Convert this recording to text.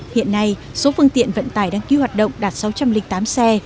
hiện nay số phương tiện vận tài đang cứu hoạt động đạt sáu trăm linh tám xe